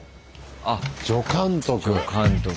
あっ助監督。